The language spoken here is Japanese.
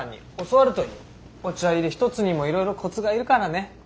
お茶いれ一つにもいろいろコツがいるからね。